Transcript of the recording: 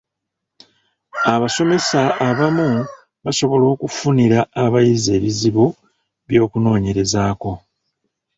Abasomesa abamu basobola okufunira abayizi ebizibu by’okunoonyerezaako.